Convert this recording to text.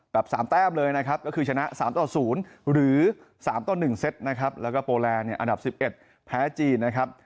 แปบสามแต้มเลยนะครับก็คือชนะสามต่อศูนย์หรือสามต่อหนึ่งเซ็ตนะครับแล้วก็โปแลนด์เนี่ยอันดับสิบเอ็ดแพ้จีนนะครับ